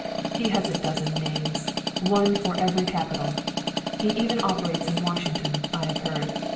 "He has a dozen names one for every capital. He even operates in Washington, I have heard.